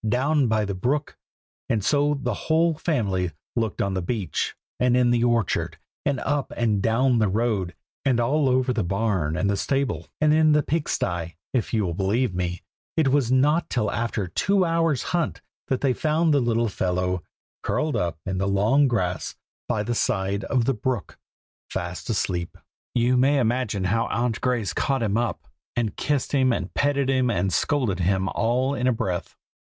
down by the brook!" and so the whole family looked on the beach, and in the orchard, and up and down the road, and all over the barn and the stable, and in the pig sty. If you will believe me, it was not till after a two hour's hunt that they found the little fellow, curled up in the long grass by the side of the brook, fast asleep. You may imagine how Aunt Grace caught him up, and kissed and petted and scolded him all in a breath.